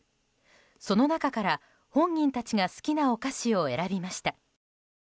その中から本人たちが好きなお菓子を選びました。